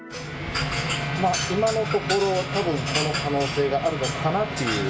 今のところ、ほぼ、この可能性があるのかなっていう。